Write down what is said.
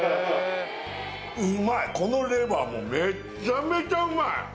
うまいこのレバーもうめっちゃめちゃうまい！